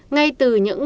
ngay từ những ngày